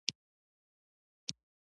لمسی له حق سره ولاړ وي.